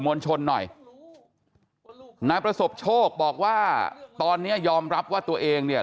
วลชนหน่อยนายประสบโชคบอกว่าตอนเนี้ยยอมรับว่าตัวเองเนี่ย